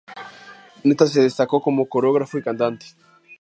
En esta se destacó como coreógrafo y cantante.